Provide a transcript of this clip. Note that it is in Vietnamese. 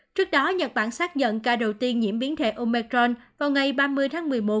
trước đó nhật bản xác nhận ca đầu tiên nhiễm biến thể omecron vào ngày ba mươi tháng một mươi một